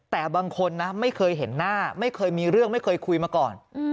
แต่บางคนนะไม่เคยเห็นหน้าไม่เคยมีเรื่องไม่เคยคุยมาก่อน